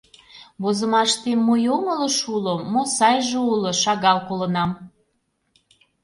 Возымаштем мо йоҥылыш уло, мо сайже уло — шагал колынам.